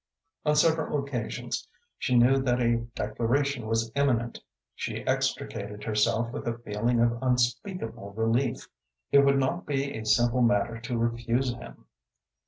On several occasions she knew that a declaration was imminent. She extricated herself with a feeling of unspeakable relief. It would not be a simple matter to refuse him.